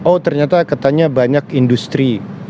oh ternyata katanya banyak industri